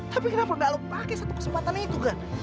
tapi kenapa nggak lo pake satu kesempatan itu gar